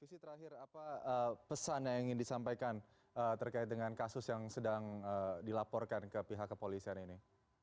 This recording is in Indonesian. susi terakhir apa pesan yang ingin disampaikan terkait dengan kasus yang sedang dilaporkan ke pihak kepolisian ini